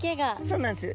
そうなんです。